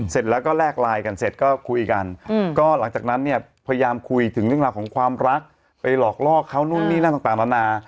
เสร็จแล้วก็แลกไลน์กันเสร็จก็คุยกันก็หลังจากนั้นเนี่ยพยายามคุยถึงเรื่องราวของความรักไปหลอกลอกเขานู่นนี่นั่นต่างนานา